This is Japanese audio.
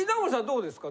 どうですか？